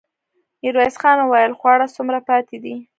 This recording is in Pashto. ميرويس خان وويل: خواړه څومره پاتې دي؟